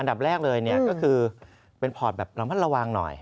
ดับแรกเลยก็คือเป็นพอร์ตแบบระมัดระวังหน่อย